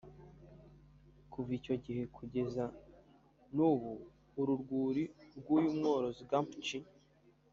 Kuva icyo gihe kugeza n’ubu uru rwuri rw’uyu mworozi Gumpitsch